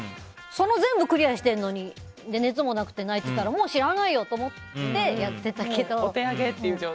それ全部クリアしてるのに熱もなくて泣いてたらもう知らないよと思ってやっていたけど。